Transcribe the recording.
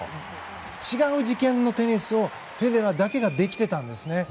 違う次元のテニスをフェデラーだけができていたんですね。